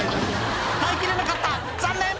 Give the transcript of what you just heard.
耐えきれなかった残念！